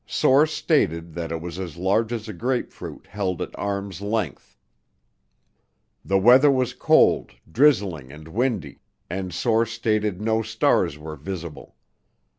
Source stated that it was as large as a grapefruit held at arm's length. The weather was cold, drizzling and windy, and Source stated no stars were visible.